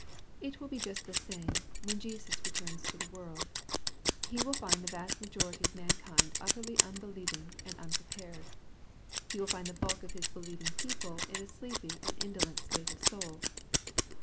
It will be just the same, when Jesus returns to the world. He will find the vast majority of mankind utterly unbelieving and unprepared. He will find the bulk of His believing people in a sleepy and indolent state of soul.